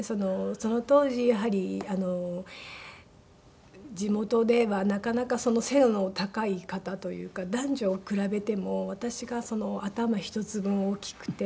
その当時やはり地元ではなかなか背の高い方というか男女を比べても私が頭一つ分大きくて。